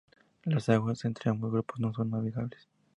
Las aguas entre ambos grupos no son navegables.